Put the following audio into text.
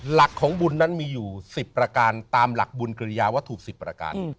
หลักของบุญนั้นมีอยู่๑๐ประการตามหลักบุญกริยาวัตถุ๑๐ประการ